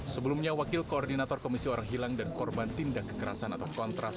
sebelumnya wakil koordinator komisi orang hilang dan korban tindak kekerasan atau kontras